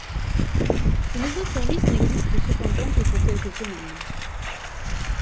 Ce nouveau service n'existe cependant que pour quelques semaines.